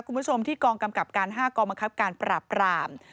คุณผู้ชมที่กองกำกับการ๕กองบังคับการปราบราม